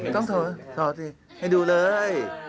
ต้องถอดถอดสิให้ดูเลย